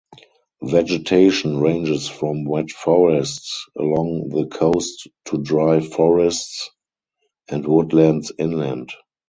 Vegetation ranges from wet forests along the coast to dry forests and woodlands inland.